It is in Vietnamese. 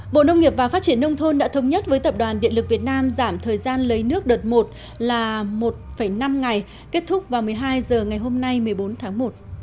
bộ nông nghiệp và phát triển nông thôn đã thống nhất với tập đoàn điện lực việt nam giảm thời gian lấy nước đợt một là một năm ngày kết thúc vào một mươi hai h ngày hôm nay một mươi bốn tháng một